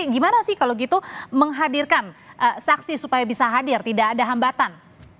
gimana sih kalau gitu menghadirkan saksi supaya bisa hadir tidak ada hambatan